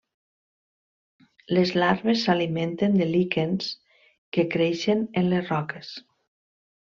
Les larves s'alimenten de líquens que creixen en les roques.